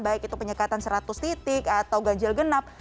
baik itu penyekatan seratus titik atau ganjil genap